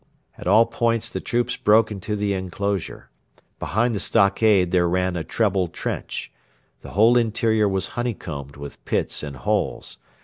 At all points the troops broke into the enclosure. Behind the stockade there ran a treble trench. The whole interior was honeycombed with pits and holes.